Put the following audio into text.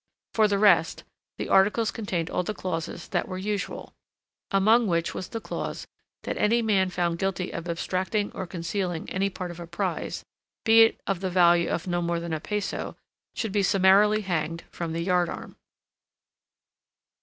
For the rest, the articles contained all the clauses that were usual, among which was the clause that any man found guilty of abstracting or concealing any part of a prize, be it of the value of no more than a peso, should be summarily hanged from the yardarm.